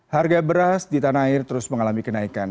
harga beras di tanah air terus mengalami kenaikan